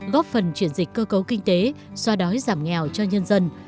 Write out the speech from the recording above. góp phần chuyển dịch cơ cấu kinh tế xoa đói giảm nghèo cho nhân dân